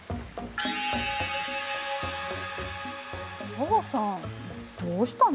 紗和さんどうしたの？